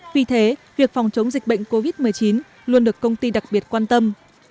vì thế việc phòng chống dịch bệnh covid một mươi chín luôn được công ty đặc biệt quan tâm